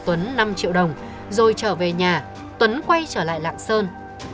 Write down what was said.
thưa trả cho tuấn năm triệu đồng rồi trở về nhà tuấn quay trở lại lạng sơn